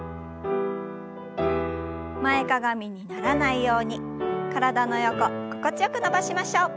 前かがみにならないように体の横心地よく伸ばしましょう。